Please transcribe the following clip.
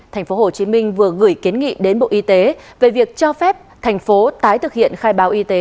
thành phố hồ chí minh vừa gửi kiến nghị đến bộ y tế về việc cho phép thành phố tái thực hiện khai báo y tế